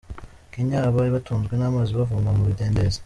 Kenya; Aba batunzwe n'amazi bavoma mu bidendezi.